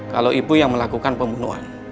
kalau ibu yang melakukan pembunuhan